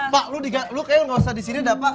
pak lu kayaknya gak usah disini dah pak